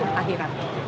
jadi akan dikawal